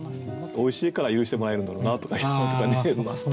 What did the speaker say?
おいしいから許してもらえるんだろうなとかね。